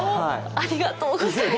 ありがとうございます。